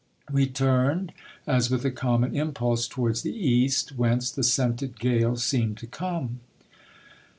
We umed as with a common impulse towards the east, whence the scented gale 1 82 GIL BLAS. seemed to come.